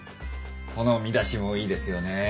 この見出しもいいですよね。